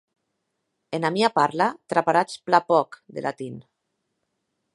Ena mia parla traparatz plan pòc de latin.